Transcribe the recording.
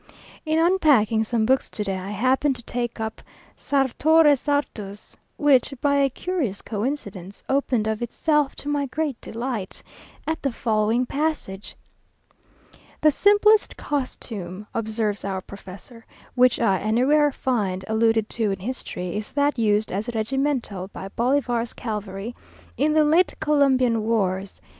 In unpacking some books to day, I happened to take up "Sartor Resartus," which, by a curious coincidence, opened of itself, to my great delight, at the following passage: "The simplest costume," observes our Professor, "which I anywhere find alluded to in history, is that used as regimental by Bolivar's cavalry, in the late Columbian wars.